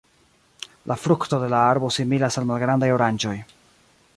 La frukto de la arbo similas al malgrandaj oranĝoj.